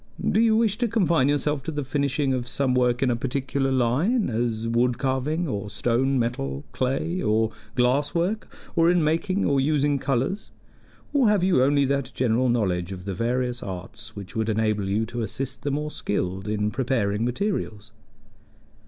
Do you wish to confine yourself to the finishing of some work in a particular line as wood carving, or stone, metal, clay or glass work; or in making or using colors? or have you only that general knowledge of the various arts which would enable you to assist the more skilled in preparing materials?"